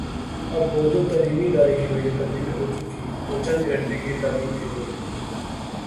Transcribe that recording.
اب بوجوہ تعلیمی ادارے کی نوعیت تبدیل ہو چکی وہ چند گھنٹے کی تعلیم کے لیے ہے۔